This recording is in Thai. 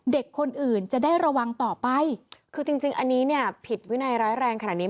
เด็กคนอื่นจะได้ระวังต่อไปคือจริงจริงอันนี้เนี่ยผิดวินัยร้ายแรงขนาดนี้